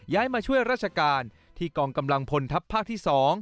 มาช่วยราชการที่กองกำลังพลทัพภาคที่๒